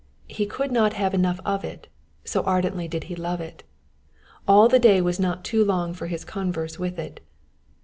He could not have enough of it, so ardently did he love it : all the day was not too long for his converse with it.